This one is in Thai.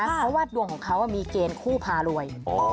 เพราะว่าดวงของเขามีเกณฑ์คู่พารวย